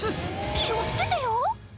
気をつけてよ。